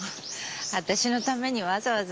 私のためにわざわざ。